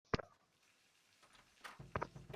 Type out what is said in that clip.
আমি ওদের কাউকেই বিশ্বাস করি না, আপনি করেন?